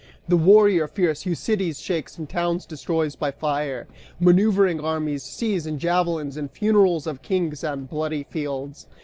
The warrior fierce, Who cities shakes and towns destroys by fire Maneuvering armies sees, and javelins, And funerals of kings and bloody fields.